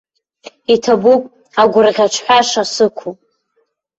Иҭабуп, агәырӷьаҿҳәаша сықәуп.